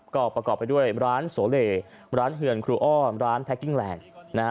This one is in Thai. ก็ประกอบไปด้วยร้านโสเลร้านเฮือนครูอ้อนร้านแพ็กกิ้งแลนด์นะฮะ